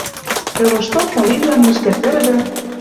Тӹ лошток молитвам нӹжгӓ тӹрвӹ